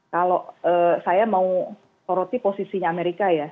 kalau saya mau soroti posisinya amerika ya